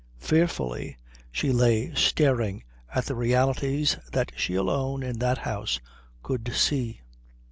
Fearfully she lay staring at the realities that she alone in that house could see.